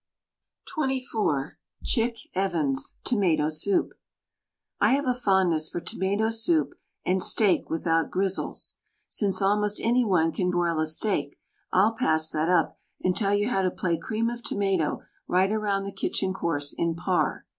WRITTEN FOR MEN BY MEN XXIV Chick Evans TOMATO SOUP I have a fondness for tomato soup and steak without grizzles. Since almost any one can broil a steak I'll pass that up and tell you how to play cream of tomato right around the kitchen course in par.